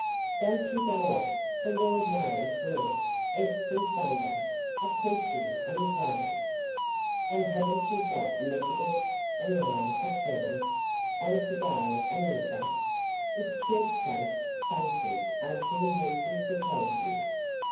Don't you go off, the Lord knows where, every Sunday a preaching and praying? An' haven't you got Methodists enow at Treddles'on to go and look at, if church folks's faces are too handsome to please you?